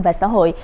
và xã hội